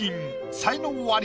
才能アリ！